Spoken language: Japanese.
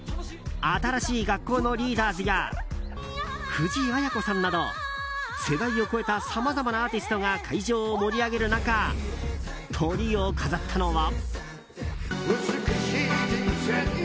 新しい学校のリーダーズや藤あや子さんなど世代を超えたさまざまなアーティストが会場を盛り上げる中トリを飾ったのは。